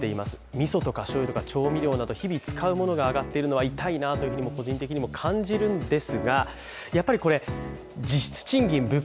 みそとかしょうゆとか調味料など日々使うものが上がっているのは痛いなと個人的にも感じます。